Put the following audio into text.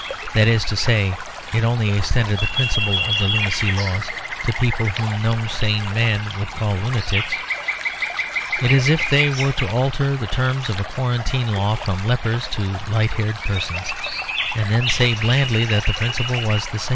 That is to say, it only extended the principle of the lunacy laws to people whom no sane man would call lunatics. It is as if they were to alter the terms of a quarantine law from "lepers" to "light haired persons"; and then say blandly that the principle was the same.